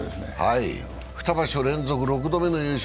２場所連続６度目の優勝。